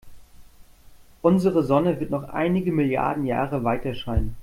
Unsere Sonne wird noch einige Milliarden Jahre weiterscheinen.